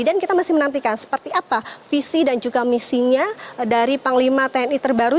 dan kita masih menantikan seperti apa visi dan juga misinya dari panglima tni terbaru